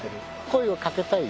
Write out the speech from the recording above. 声をかけたい。